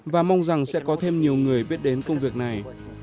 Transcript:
và mong rằng sẽ có thêm nhiều người biết đến công việc này